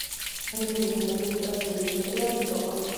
რეგიონის ადმინისტრაციული ცენტრია ბიტოლა.